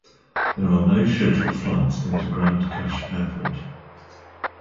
There are no scheduled flights into Grande Cache Airport.